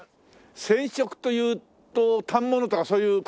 染色というと反物とかそういう感じのですか？